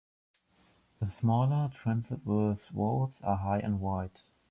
The smaller transverse vaults are high and wide.